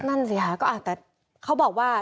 นั่นสิค่ะก็แต่เขาบอกว่า